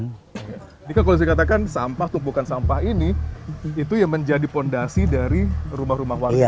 jadi kalau saya katakan sampah tumpukan sampah ini itu yang menjadi fondasi dari rumah rumah warga di sini pak